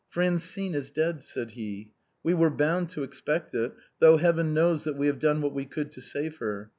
" Francine is dead," said he ; "we were bound to expect it, though heaven knows that we have done what we could to save her.